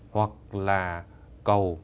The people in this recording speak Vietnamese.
hoặc là cầu